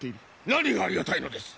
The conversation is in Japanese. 何がありがたいのです！